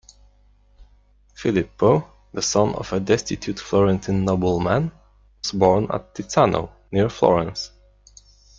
Filippo, the son of a destitute Florentine nobleman, was born at Tizzano, near Florence.